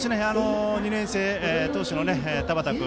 ２年生投手の田端君